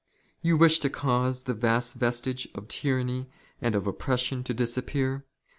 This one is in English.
You wish to cause the '' last vestige of tyranny and of oppression to disappear